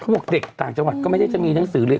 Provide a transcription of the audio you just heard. บอกเด็กต่างจังหวัดก็ไม่ได้จะมีหนังสือเรียน